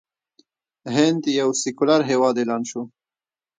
هند یو سیکولر هیواد اعلان شو.